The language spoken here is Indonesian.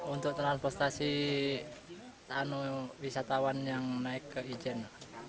untuk telanfostasi tanuh wisatawan yang naik ke ijen